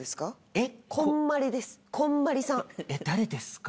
え誰ですか？